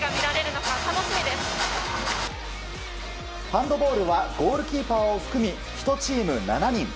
ハンドボールはゴールキーパーを含み１チーム７人。